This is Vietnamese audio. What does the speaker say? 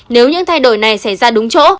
nếu những thay đổi này xảy ra đúng chỗ